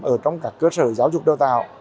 ở trong các cơ sở giáo dục đào tạo